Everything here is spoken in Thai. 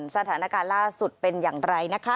สถานการณ์ล่าสุดเป็นอย่างไรนะคะ